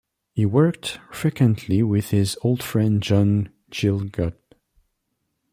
He worked frequently with his old friend John Gielgud.